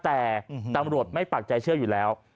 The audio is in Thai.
แต่ตำรวจไม่ปักใจเชื่ออยู่แล้ว